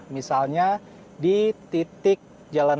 misalnya di titik jalan